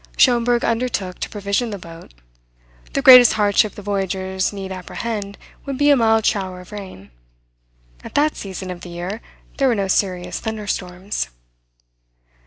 Schomberg undertook to provision the boat. The greatest hardship the voyagers need apprehend would be a mild shower of rain. At that season of the year there were no serious thunderstorms.